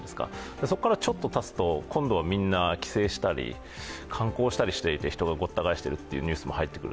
そこからちょっとたつと、今度はみんな帰省したり、観光したりしていて人がごった返しているというニュースも入ってくる。